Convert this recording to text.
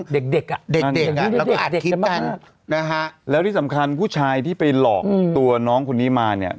เด็กเด็กอ่ะเด็กเด็กอ่ะแล้วก็อัดคลิปกันนะฮะแล้วที่สำคัญผู้ชายที่ไปหลอกตัวน้องคนนี้มาเนี่ย